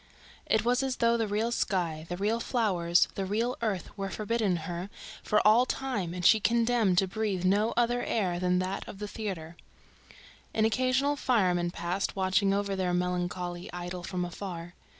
It was as though the real sky, the real flowers, the real earth were forbidden her for all time and she condemned to breathe no other air than that of the theater. An occasional fireman passed, watching over their melancholy idyll from afar.